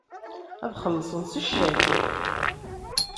Ad xellṣen s ccak.